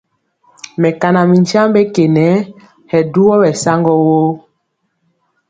Mɛkana mi nkyambe ke nɛ, hɛ duwɔ ɓɛ saŋgɔ woo.